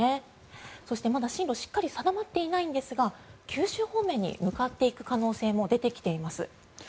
そして、まだ進路しっかり定まっていないんですが九州方面に向かっていく可能性も出てきています。